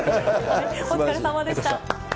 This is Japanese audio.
お疲れさまでした。